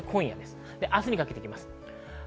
明日にかけて見ていきます。